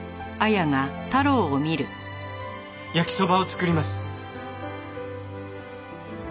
焼きそばを作ります。